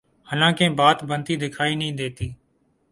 حالانکہ بات بنتی دکھائی نہیں دیتی۔